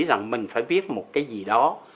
rằng mình phải viết một cái gì đó